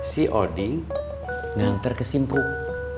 si odin ngantar ke simpung